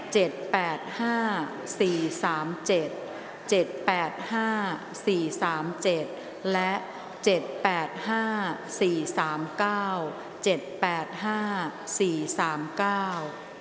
แปดห้าสี่สามเจ็ดเจ็ดแปดห้าสี่สามเจ็ดและเจ็ดแปดห้าสี่สามเก้าเจ็ดแปดห้าสี่สามเก้า